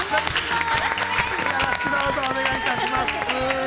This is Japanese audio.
よろしくどうぞお願いいたします。